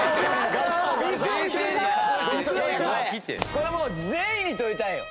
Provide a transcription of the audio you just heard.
これもう全員に問いたいよ。